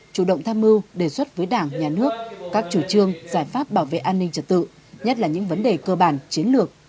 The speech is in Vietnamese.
chủ động tham mưu đề xuất với đảng nhà nước các chủ trương giải pháp bảo vệ an ninh trật tự nhất là những vấn đề cơ bản chiến lược